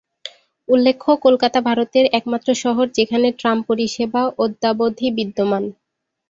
উল্লেখ্য, কলকাতা ভারতের একমাত্র শহর যেখানে ট্রাম পরিষেবা অদ্যাবধি বিদ্যমান।